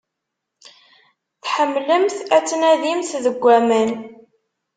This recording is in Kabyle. Tḥemmlemt ad tnadimt deg aman.